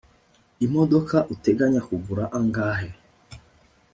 Imodoka uteganya kugura angahe